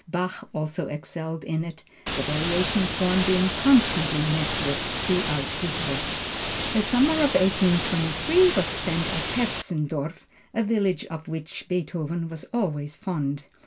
Bach also excelled in it, the Variation form being constantly met with throughout his works. The summer of 1823 was spent at Hetzendorf, a village of which Beethoven was always fond.